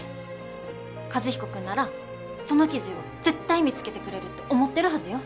和彦君ならその記事を絶対見つけてくれるって思ってるはずよ。